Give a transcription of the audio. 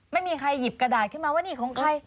ไม่มีใครหยิบกระดาษขึ้นมาว่านี่ของใคร